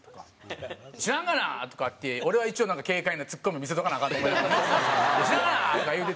「知らんがな！」とかって俺は一応なんか軽快なツッコミ見せとかなアカンと思いながら「知らんがな！」とか言うてて。